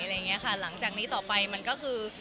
หรืออันที่หลังจากนี้ต่อไปมันก็คือ